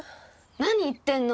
何言ってんの！